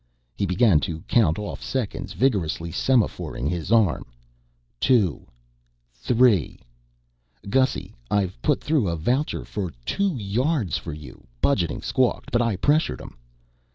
He began to count off seconds, vigorously semaphoring his arm. "... Two ... three ... Gussy, I've put through a voucher for two yards for you. Budgeting squawked, but I pressured 'em."